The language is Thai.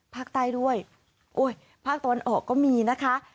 ภาคใต้ด้วยโอ้ยภาคตะวันออกก็มีนะคะ